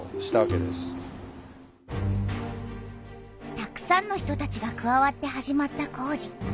たくさんの人たちがくわわって始まった工事。